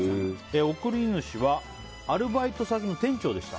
送り主はアルバイト先の店長でした。